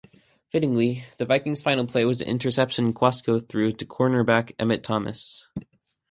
Fittingly, the Vikings' final play was an interception Cuozzo threw to cornerback Emmitt Thomas.